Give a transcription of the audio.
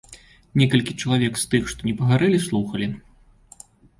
Некалькі чалавек з тых, што не пагарэлі, слухалі.